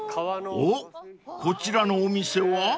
［おっこちらのお店は？］